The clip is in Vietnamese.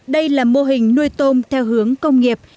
đây là mô hình nuôi tôm theo hướng công nghiệp